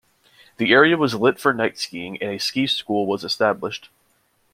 The area was lit for night skiing and a ski school was established.